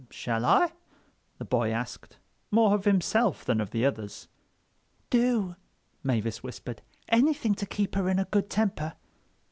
"Shall I?" the boy asked, more of himself than of the others. "Do," Mavis whispered. "Anything to keep her in a good temper."